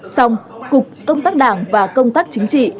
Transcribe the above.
xong cục công tác đảng và công tác chính trị